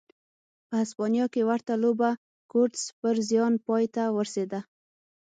په هسپانیا کې ورته لوبه کورتس پر زیان پای ته ورسېده.